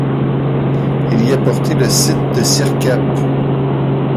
Il y a porté le site de Sirkap.